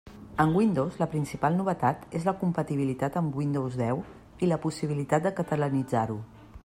En Windows la principal novetat és la compatibilitat amb Windows deu i la possibilitat de catalanitzar-ho.